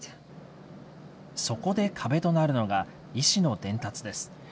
そこで壁となるのが、意思の伝達です。